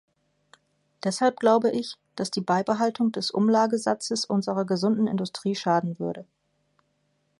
Deshalb glaube ich, dass die Beibehaltung des Umlagesatzes unserer gesunden Industrie schaden würde.